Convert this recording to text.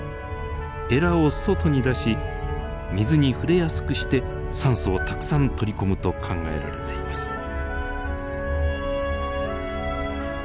えらを外に出し水に触れやすくして酸素をたくさん取り込むと考えられています。